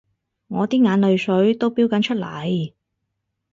我啲眼淚水都標緊出嚟